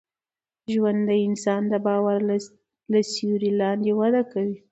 ژوند د انسان د باور له سیوري لاندي وده کوي.